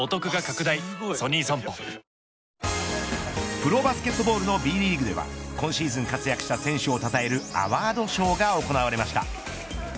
プロバスケットボールのＢリーグでは今シーズン活躍した選手をたたえるアワードショーが行われました。